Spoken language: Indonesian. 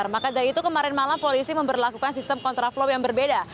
maka dari itu kemarin malam polisi memperlakukan sistem kontraflow yang berbeda